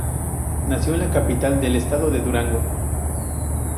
Nació en la capital del Estado de Durango.